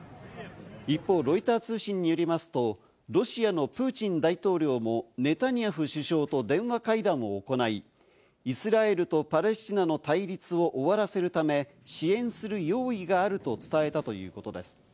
一方、ロイター通信によりますと、ロシアのプーチン大統領もネタニヤフ首相と電話会談を行い、イスラエルとパレスチナの対立を終わらせるため、支援する用意があると伝えたということです。